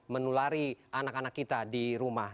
menulari anak anak kita di rumah